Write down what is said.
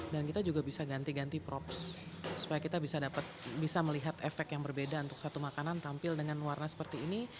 dan kita juga bisa ganti ganti props supaya kita bisa melihat efek yang berbeda untuk satu makanan tampil dengan warna seperti ini